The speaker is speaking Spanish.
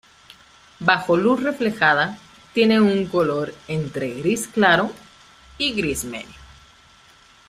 Bajo luz reflejada, tiene un color entre gris claro y gris medio.